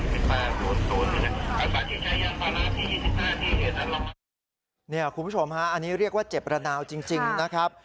คุณผู้ชมฮะอันนี้เรียกว่าเจ็บระนาวจริงนะครับ